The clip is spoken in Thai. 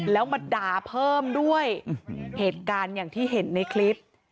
แล้วมาด่าเพิ่มด้วยเหตุการณ์อย่างที่เห็นในคลิป